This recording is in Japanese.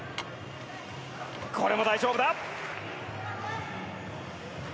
これも大丈夫だ！